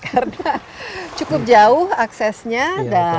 karena cukup jauh aksesnya